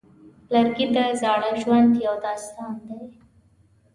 لرګی د زاړه ژوند یو داستان دی.